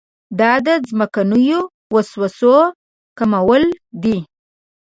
دا د ځمکنیو وسوسو کمول دي.